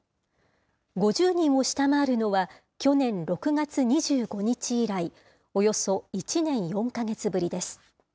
５０人を下回るのは、去年６月２５日以来、およそ１年４か月ぶりです。